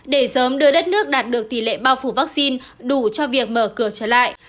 để sớm đưa đất nước đạt được tỷ lệ bao phủ vaccine đủ cho việc mở cửa trở lại